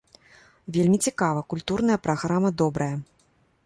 Вельмі цікава, культурная праграма добрая.